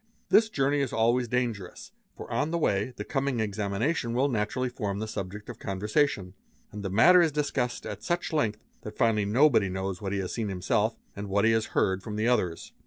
This journey is always dangerous, for on the way the coming examination will naturally form the subject of conversation; and the matter is discussed at such length that finally nobody knows what he has seen himself and what he has heard from the others.